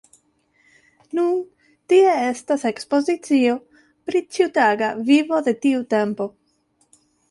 Nun tie estas ekspozicio pri ĉiutaga vivo de tiu tempo.